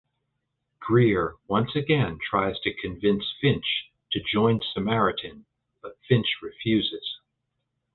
Greer once again tries to convince Finch to join Samaritan but Finch refuses.